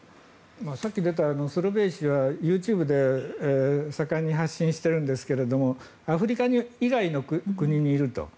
さっき出たソロベイ氏はＹｏｕＴｕｂｅで盛んに発信しているんですがアフリカ以外の国にいると。